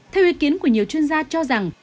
theo ý kiến của nhiều chuyên gia cho rằng